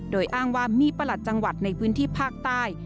โดยอ้างว่ามีประหลัดจังหวัดในพื้นที่ภาคใต้